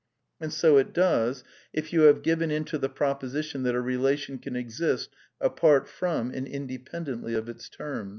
And sojt does, if you have given in tojhejp roposition that a re lation can exist apart from and independently of its terms.